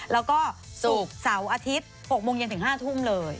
แล้วก็ศุกร์เสาร์อาทิตย์๖โมงเย็นถึง๕ทุ่มเลย